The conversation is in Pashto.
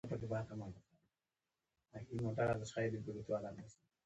که اوبه ونه څښو نو څه کیږي